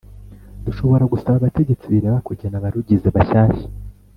dushobora gusaba abategetsi bireba kugena abarugize bashyashya